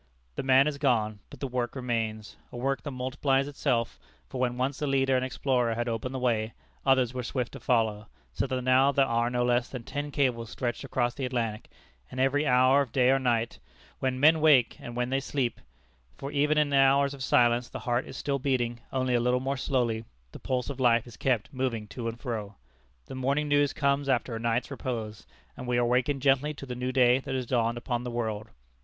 The man is gone, but the work remains, a work that multiplies itself, for when once a leader and explorer had opened the way, others were swift to follow, so that now there are no less than ten cables stretched across the Atlantic, and every hour of day or night, "when men wake and when they sleep" (for even in the hours of silence the heart is still beating, only a little more slowly), the pulse of life is kept moving to and fro. The morning news comes after a night's repose, and we are wakened gently to the new day that has dawned upon the world.